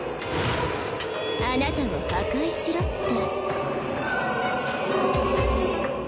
あなたを破壊しろって。